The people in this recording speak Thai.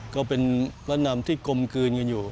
ก็เป็นวัฒนธรรมที่กลมกลืนกันอยู่